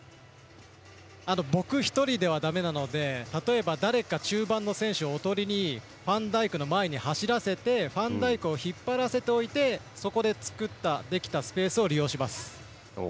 僕一人では、だめなので例えば誰か中盤の選手をおとりにファンダイクの前に走らせてファンダイクを引っ張らせておいてそこで作ったできたスペースを利用します。